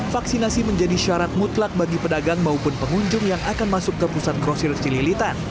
vaksinasi menjadi syarat mutlak bagi pedagang maupun pengunjung yang akan masuk ke pusat krosir cililitan